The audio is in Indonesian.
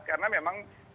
karena memang vaksinasi